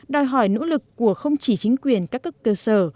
đòi hỏi nỗ lực của không chỉ chính quyền các cấp cơ sở